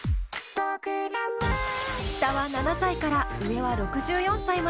下は７歳から上は６４歳まで。